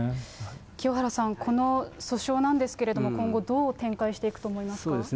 清原さん、この訴訟なんですけれども、今後どう展開していくと思いますか。